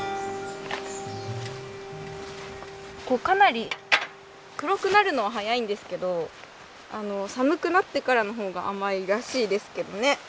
かなり黒くなるのは早いんですけど寒くなってからの方が甘いらしいですけどね